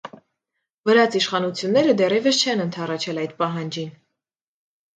Վրաց իշխանությունները դեռևս չեն ընդառաջել այդ պահանջին։